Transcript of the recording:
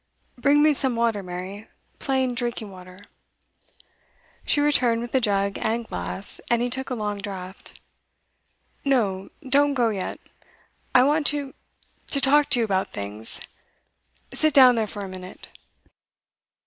'Bring me some water, Mary, plain drinking water.' She returned with a jug and glass, and he took a long draught. 'No, don't go yet. I want to to talk to you about things. Sit down there for a minute.